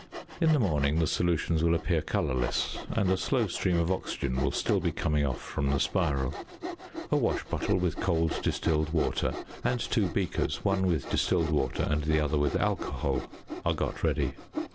In the morning the solutions will appear colourless, and a slow stream of oxygen will still be coming off from the spiral. A wash bottle with cold distilled water and two beakers, one with distilled water and the other with alcohol, are got ready.